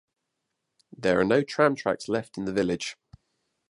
There are no tram tracks left in the village.